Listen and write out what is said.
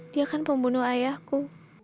dia kan pembunuh ayahku